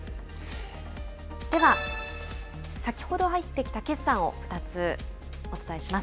では、先ほど入ってきた決算を２つお伝えします。